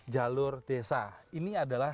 jalur desa ini adalah